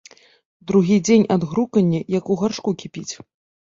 Другі дзень ад гругання як у гаршку кіпіць.